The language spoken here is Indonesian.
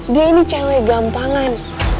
dia ini cewek gampangan